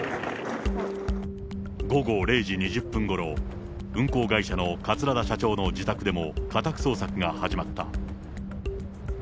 午後０時２０分ごろ、運航会社の桂田社長の自宅でも家宅捜索が始まった。